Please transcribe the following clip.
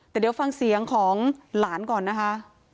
แต่เดี๋ยวฟังเสียงของหลานก่อนนะคะ